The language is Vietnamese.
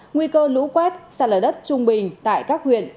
nguy cơ lũ quét xa lở đất trung bình tại các huyện